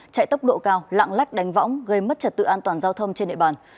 chạy tốc độ cao lạng lách đánh võng gây mất trật tự an toàn giao thông trên địa bàn